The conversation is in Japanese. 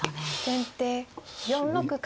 先手４六角。